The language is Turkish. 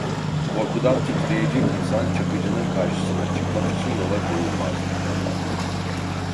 Korkudan titreyecek insan Çakıcı'nın karşısına çıkmak için yola koyulmazdı…